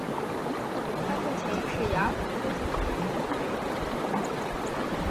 他目前是雅虎科技的编辑。